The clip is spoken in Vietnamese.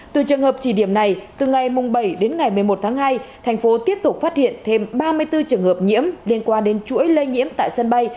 từ trường hợp chỉ điểm này từ ngày bảy đến ngày một mươi một tháng hai thành phố tiếp tục phát hiện thêm ba mươi bốn trường hợp nhiễm liên quan đến chuỗi lây nhiễm tại sân bay